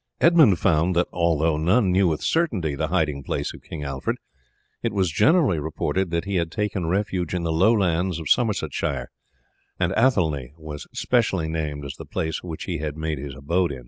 Edmund found that although none knew with certainty the hiding place of King Alfred, it was generally reported that he had taken refuge in the low lands of Somersetshire, and Athelney was specially named as the place which he had made his abode.